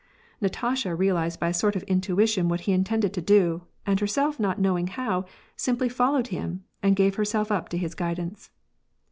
Natasha realized \)y a sort of intuition what he intended to do, and herself not knowing how, simply followed him, and gave herself up to his guidance.